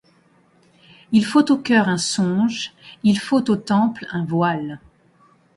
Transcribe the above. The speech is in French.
Il faut au coeur un songe, il faut au temple un voile.